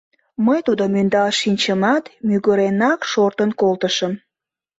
Мый тудым ӧндал шинчымат, мӱгыренак шортын колтышым.